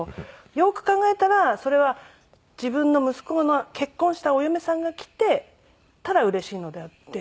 よく考えたらそれは自分の息子が結婚したお嫁さんが来てただうれしいのであって。